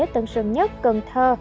tân sơn nhất cần thơ